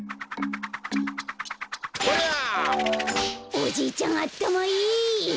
おじいちゃんあったまいい！